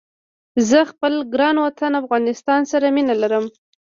زه خپل ګران وطن افغانستان سره مينه ارم